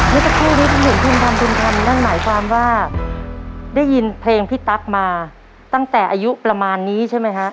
มีความว่าได้ยินเพลงพี่ตั๊กมาตั้งแต่อายุประมาณนี้ใช่ไหมคะ